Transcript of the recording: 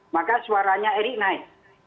maka suaranya erick naik